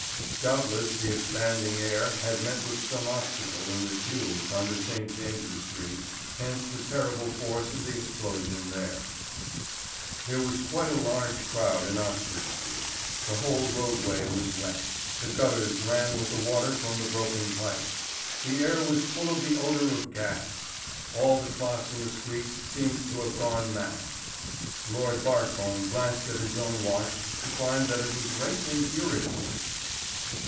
Doubtless the expanding air had met with some obstacle in the tube under St. James's Street, hence the terrible force of the explosion there. There was quite a large crowd in Oxford Street. The whole roadway was wet; the gutters ran with the water from the broken pipes. The air was full of the odour of gas. All the clocks in the streets seemed to have gone mad. Lord Barcombe glanced at his own watch, to find that it was racing furiously.